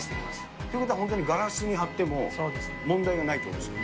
ってことは本当にガラスに貼っても問題がないということですね？